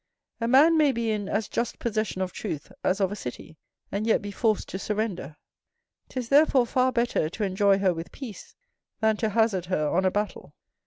A man may be in as just possession of truth as of a city, and yet be forced to surrender; 'tis therefore far better to enjoy her with peace than to hazard her on a battle.